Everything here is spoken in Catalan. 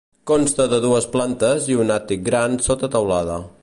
Consta de dues plantes i un àtic gran sota teulada.